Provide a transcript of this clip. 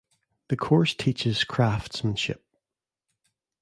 The course teaches Craftsmanship.